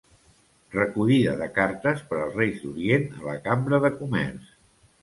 Recollida de cartes per als Reis d'Orient a la Cambra de Comerç.